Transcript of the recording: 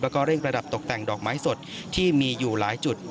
แล้วก็เร่งประดับตกแต่งดอกไม้สดที่มีอยู่หลายจุด